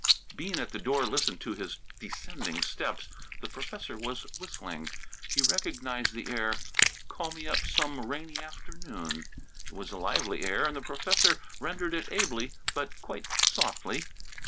Bean, at the door, listened to his descending steps. The professor was whistling. He recognized the air, "Call Me Up Some Rainy Afternoon." It was a lively air and the professor rendered it ably but quite softly.